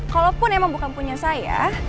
kalaupun emang bukan punya saya